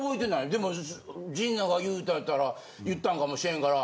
でも陣内が言うたんやったら言ったんかもしれんから。